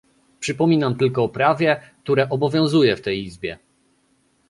Przypominam tylko o prawie, które obowiązuje w tej Izbie